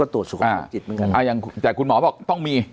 แต่คุณหมอบอกต้องมี